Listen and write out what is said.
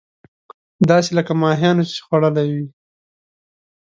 داسې لکه ماهيانو چې خوړلې وي.